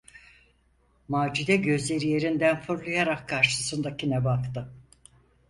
Macide gözleri yerinden fırlayarak karşısındakine baktı.